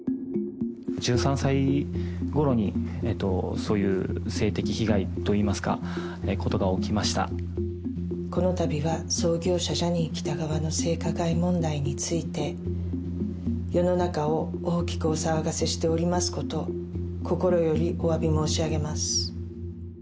１３歳ごろに、そういう性的被害といいますか、このたびは、創業者、ジャニー喜多川の性加害問題について、世の中を大きくお騒がせしておりますこと、心よりおわび申し上げます。